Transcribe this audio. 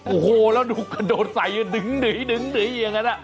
โอ้โหแล้วดูแกโดดใสโยนดึ้งดื่๋ยอย่างนั้นอะ